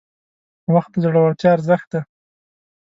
• وخت د زړورتیا ارزښت دی.